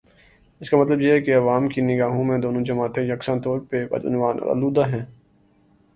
اس کا مطلب ہے کہ عوام کی نگاہوں میں دونوں جماعتیں یکساں طور پر بدعنوان اور آلودہ ہیں۔